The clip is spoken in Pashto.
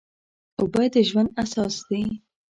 اوبه د ژوند اساس دي.